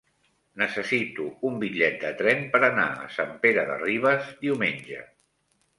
Necessito un bitllet de tren per anar a Sant Pere de Ribes diumenge.